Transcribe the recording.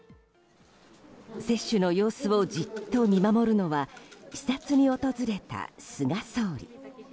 接種の様子をじっと見守るのは視察に訪れた菅総理。